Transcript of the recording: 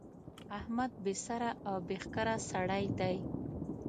احمد بې سره او بې ښکره سړی دی.